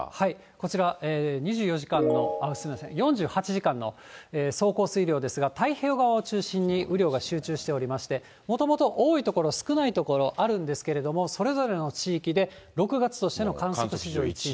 こちら、２４時間の、すみません、４８時間の総降水量ですが、太平洋側を中心に、雨量が集中しておりまして、もともと多い所、少ない所あるんですけれども、それぞれの地域で６月としての観測史上１位。